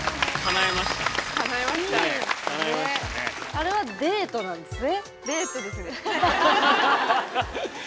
あれはデートなんですね？